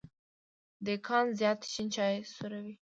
دیکان زیات شين چای څوروي.